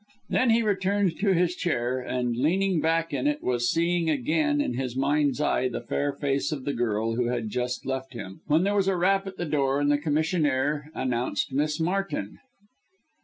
Then he returned to his chair, and, leaning back in it, was seeing once again in his mind's eye the fair face of the girl who had just left him, when there was a rap at the door, and the commissionaire announced Miss Martin.